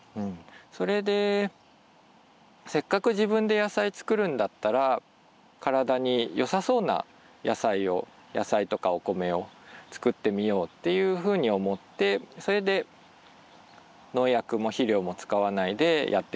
それでせっかく自分で野菜作るんだったら体によさそうな野菜を野菜とかお米を作ってみようっていうふうに思ってそれで農薬も肥料も使わないでやってます。